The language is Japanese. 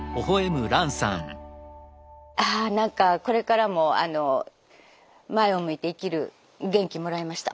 ああ何かこれからも前を向いて生きる元気もらいました。